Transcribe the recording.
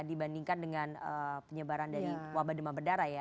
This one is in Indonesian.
dibandingkan dengan penyebaran dari wabah demam berdarah ya